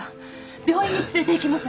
病院に連れていきます。